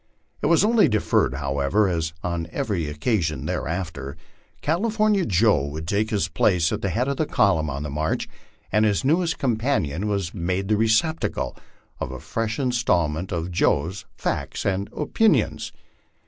It was only deferred, however, as on every occasion thereafter California Joe would take his place at the head of the column on the march, and his nearest companion was made the receptacle of a fresh instalment of Joe's facts and opinions.